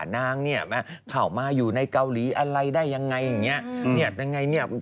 นางเนี่ยเข้ามาอยู่ในเกาหลีอะไรได้ยังไงอย่างนี้